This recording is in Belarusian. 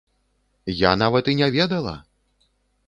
Я нават і не ведала!